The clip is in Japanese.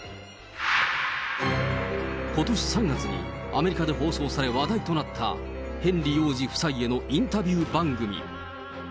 ことし３月にアメリカで放送され話題となった、ヘンリー王子夫妻へのインタビュー番組。